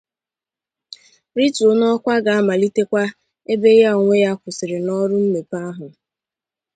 rituo n'ọkwa ga-amalitekwa ebe ya onwe ya kwụsịrị n'ọrụ mmepe ahụ.